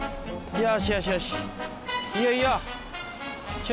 よしよしよし。